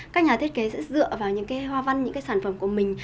các nhà thiết kế sẽ dựa vào những cái hoa văn những cái sản phẩm của mình